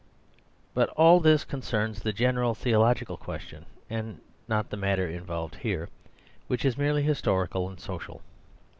But all this concerns the general theological question and not the matter involved here, which is The Tragedies of Marriage 109 merely historical and social.